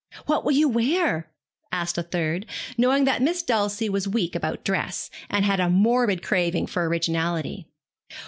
'What will you wear?' asked a third, knowing that Miss Dulcie was weak about dress, and had a morbid craving for originality.